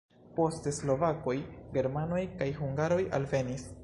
Poste slovakoj, germanoj kaj hungaroj alvenis.